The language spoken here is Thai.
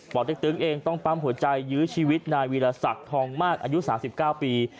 เต๊กตึงเองต้องปั๊มหัวใจยื้อชีวิตนายวีรศักดิ์ทองมากอายุ๓๙ปี